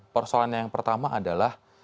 persoalannya yang pertama adalah